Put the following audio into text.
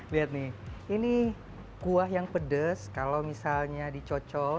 lihat nih ini kuah yang pedes kalau misalnya dicocol